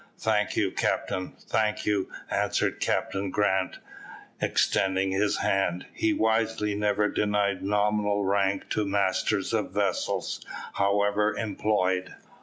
"Thank you, captain thank you," answered Captain Grant, extending his hand. He wisely never denied nominal rank to masters of vessels, however employed.